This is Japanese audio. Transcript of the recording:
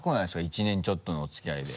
１年ちょっとのお付き合いで。